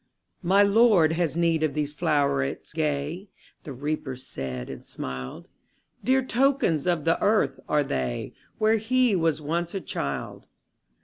``My Lord has need of these flowerets gay,'' The Reaper said, and smiled; ``Dear tokens of the earth are they, Where he was once a child.